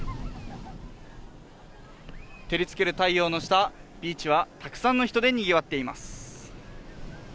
照りつける太陽の下、ビーチはたくさんの人でにぎわっています。